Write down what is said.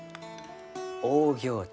オーギョーチ。